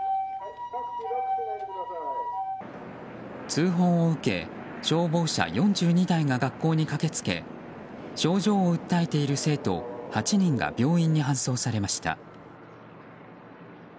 通報を受け消防車４２台が学校に駆けつけ症状を訴えている生徒８人が病院に搬送されました。